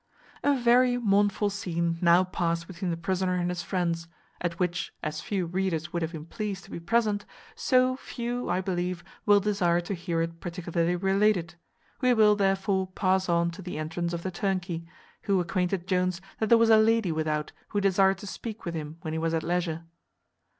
A very mournful scene now past between the prisoner and his friends, at which, as few readers would have been pleased to be present, so few, I believe, will desire to hear it particularly related. We will, therefore, pass on to the entrance of the turnkey, who acquainted Jones that there was a lady without who desired to speak with him when he was at leisure.